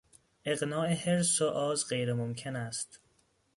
اقناع حرص و آز غیرممکن است.